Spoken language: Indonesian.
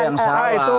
apa yang salah